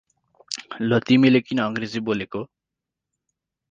ल तिमिले किन अंग्रेजि बोलेको?